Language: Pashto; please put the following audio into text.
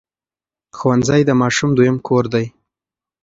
ښوونځی د ماشوم دویم کور دی.